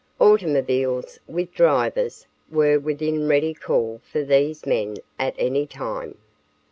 Automobiles, with drivers, were within ready call for these men at any time.